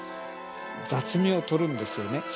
雑味をとるんですよね。